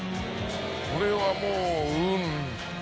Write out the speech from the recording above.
これはもう運。